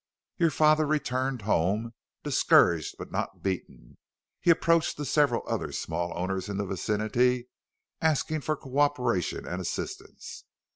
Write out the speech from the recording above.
"Your father returned home, discouraged but not beaten. He approached the several other small owners in the vicinity, asking for co operation and assistance.